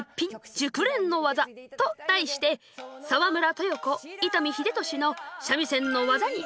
熟練の技」と題して沢村豊子伊丹秀敏の三味線の技に迫ります。